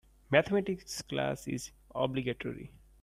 Mathematics class is obligatory.